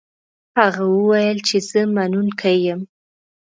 هغه وویل چې زه منونکی یم.